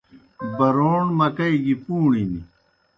بَرَوݨ مکئی گیْ پْوݨِن۔